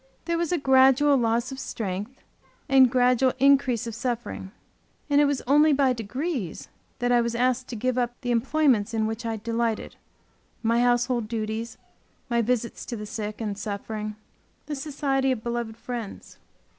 There was a gradual loss of strength and gradual increase of suffering, and it was only by degrees that I was asked to give up the employments in which I'd delighted, my household duties, my visits to the sick and suffering, the society of beloved friends.